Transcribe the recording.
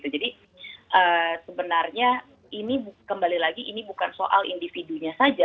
jadi sebenarnya ini kembali lagi ini bukan soal individunya saja